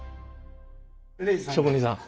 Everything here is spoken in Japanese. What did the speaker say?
職人さん？